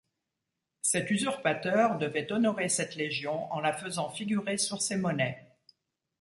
Cet usurpateur devait honorer cette légion en la faisant figurer sur ses monnaies.